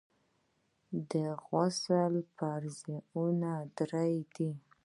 د غسل فرضونه درې دي.